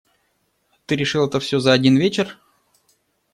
Ты решил это всё за один вечер?